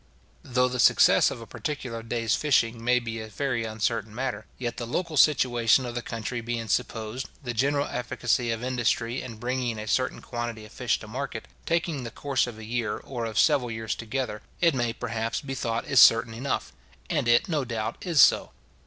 Though the success of a particular day's fishing may be a very uncertain matter, yet the local situation of the country being supposed, the general efficacy of industry in bringing a certain quantity of fish to market, taking the course of a year, or of several years together, it may, perhaps, be thought is certain enough; and it, no doubt, is so.